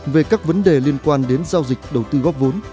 về các vấn đề liên quan đến giao dịch đầu tư góp vốn